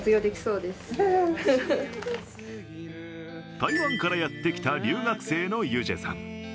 台湾からやってきた留学生のユジェさん。